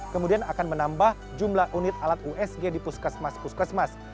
kemudian akan menambah jumlah unit alat usg di puskesmas puskesmas